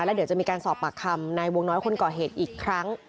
แล้วเดี๋ยวจะมีการสอบปากคำในวงน้อยคนก่อเหตุอีกครั้ง